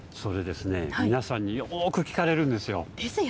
皆さんによく聞かれるんですよ。